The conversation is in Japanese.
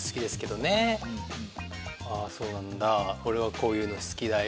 「ああそうなんだ」